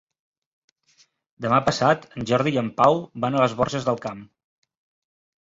Demà passat en Jordi i en Pau van a les Borges del Camp.